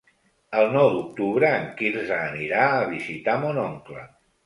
El nou d'octubre en Quirze anirà a visitar mon oncle.